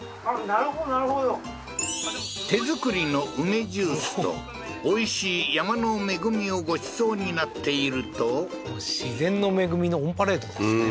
なるほどなるほど手作りの梅ジュースとおいしい山の恵みをごちそうになっていると自然の恵みのオンパレードですね